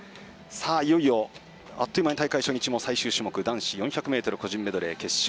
いよいよ、あっという間に大会初日も最終種目男子４００ｍ個人メドレー決勝。